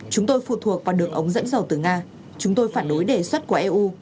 chúng tôi phụ thuộc vào đường ống dẫn dầu từ nga chúng tôi phản đối đề xuất của eu